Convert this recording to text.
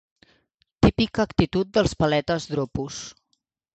Típica actitud dels paletes dropos.